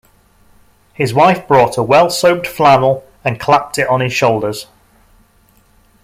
His wife brought a well-soaped flannel and clapped it on his shoulders.